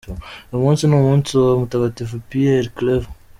Uyu munsi ni umunsi wa Mutagatifu Pierre Claver.